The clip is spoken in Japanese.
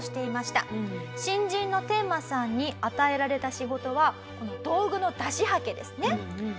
新人のテンマさんに与えられた仕事は道具の出しはけですね。